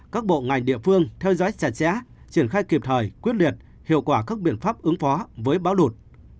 các bộ ngành địa phương theo dõi chặt chẽ triển khai kịp thời quyết liệt hiệu quả các biện pháp ứng phó với bão lụt